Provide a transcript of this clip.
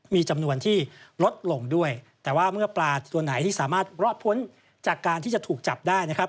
มีจำนวนที่ลดลงด้วยแต่ว่าเมื่อปลาตัวไหนที่สามารถรอดพ้นจากการที่จะถูกจับได้นะครับ